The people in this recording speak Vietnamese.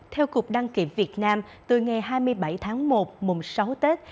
theo cục đăng kiểm việt nam từ ngày hai mươi bảy tháng một mùng sáu tết